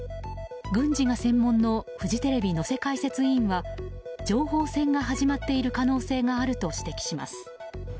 軍事が専門のフジテレビ能勢解説委員は情報戦が始まっている可能性があると指摘します。